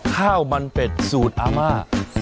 ข้าวมันเป็ดสูตรอาม่า